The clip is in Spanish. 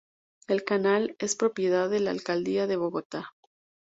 El canal es propiedad de la Alcaldía de Bogotá.